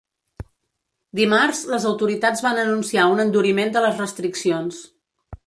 Dimarts, les autoritats van anunciar un enduriment de les restriccions.